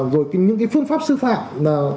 rồi những cái phương pháp sư phạm